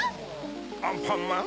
アンパンマン。